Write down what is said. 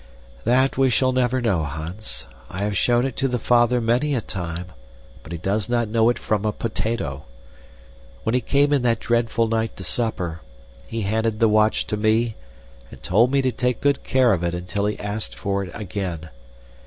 "That we shall never know, Hans. I have shown it to the father many a time, but he does not know it from a potato. When he came in that dreadful night to supper, he handed the watch to me and told me to take good care of it until he asked for it again.